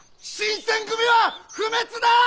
新選組は不滅だ！